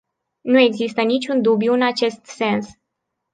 Nu există niciun dubiu în acest sens.